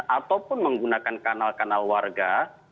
ataupun menggunakan kanal kanal warga